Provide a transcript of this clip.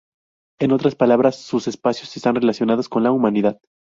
En otras palabras sus espacios están relacionados con la humanidad.